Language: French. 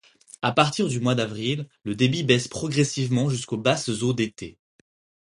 À partir du mois d'avril, le débit baisse progressivement jusqu'aux basses eaux d'été.